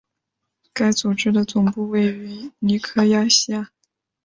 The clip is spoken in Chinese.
该组织的总部位于尼科西亚。